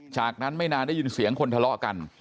จากนั้นไม่นานได้ยินเสียงคนทะเลาะกัน